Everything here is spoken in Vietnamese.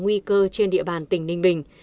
nguy cơ trên địa bàn tỉnh ninh bình